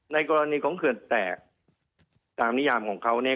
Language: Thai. ในกรณีของเขื่อนแตกตามนิยามของเขาเนี่ย